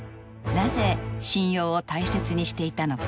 なぜ信用を大切にしていたのか。